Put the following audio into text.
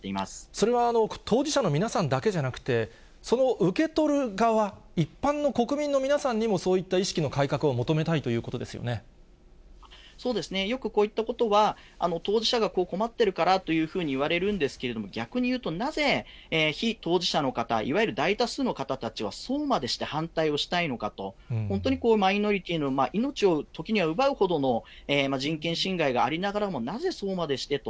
それは当事者の皆さんだけじゃなくて、その受け取る側、一般の国民の皆さんにもそういった意識の改革は求めたいというこそうですね、よくこういったことは当事者が困ってるからというふうに言われるんですけれども、逆に言うと、なぜ非当事者の方、いわゆる大多数の方たちはそうまでして反対をしたいのかと、本当にマイノリティの、命を時には奪うほどの人権侵害がありながらも、なぜそうまでしてと。